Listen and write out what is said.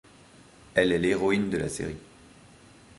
Elle est l'héroïne de la série.